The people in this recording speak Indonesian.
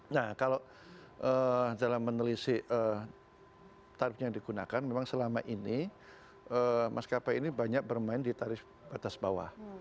nah kalau dalam meneliti tarif yang digunakan memang selama ini maskapai ini banyak bermain di tarif batas bawah